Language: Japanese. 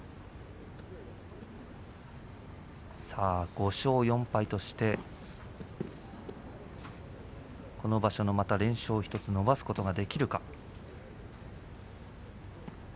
５勝４敗としてこの場所の連勝を１つ伸ばすことができるか、王鵬。